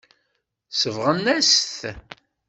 Sebɣen-as-t.